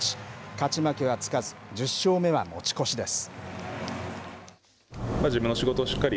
勝ち負けはつかず、１０勝目は持ち越しです。